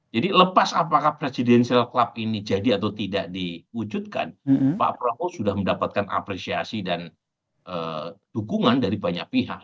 lepas apakah presidensial club ini jadi atau tidak diwujudkan pak prabowo sudah mendapatkan apresiasi dan dukungan dari banyak pihak